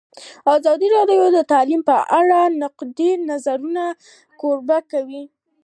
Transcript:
ازادي راډیو د تعلیم په اړه د نقدي نظرونو کوربه وه.